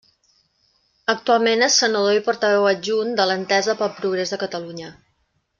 Actualment és senador i portaveu adjunt de l'Entesa pel Progrés de Catalunya.